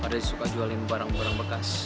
ada suka jualin barang barang bekas